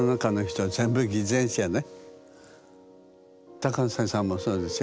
高瀬さんもそうでしょ？